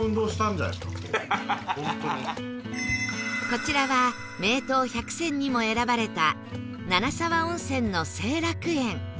こちらは名湯百選にも選ばれた七沢温泉の盛楽苑